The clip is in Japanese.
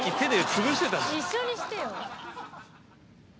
一緒にしてよ。